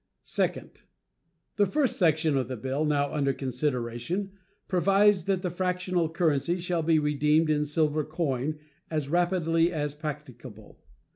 Second. The first section of the bill now under consideration provides that the fractional currency shall be redeemed in silver coin as rapidly as practicable.